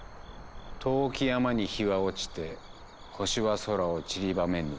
「遠き山に日は落ちて星は空を散りばめぬ」。